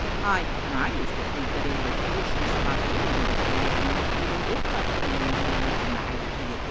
Ay, and I used to think that in their foolishness about women there was dagont little differ atween the un Unrned and the highly edicat^d."